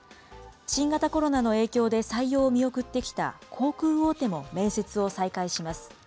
新型コロナの影響で採用を見送ってきた航空大手も面接を再開します。